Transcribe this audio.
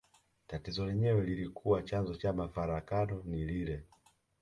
Tatizo lenyewe lililokuwa chanzo cha mafarakano ni lile